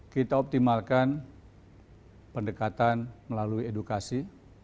kita optimalkan pendekatan melalui edukasi